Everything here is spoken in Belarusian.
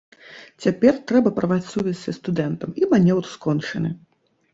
Цяпер трэба парваць сувязь са студэнтам, і манеўр скончаны.